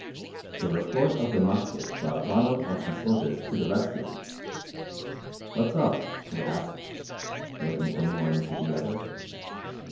The report of the musket brought Ronald and some soldiers to the rescue. "What's up?" he asked, looking from one to the other.